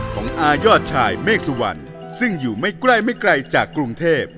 อายอดชายเมฆสุวรรณซึ่งอยู่ไม่ใกล้ไม่ไกลจากกรุงเทพ